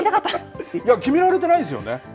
決められてないですよね。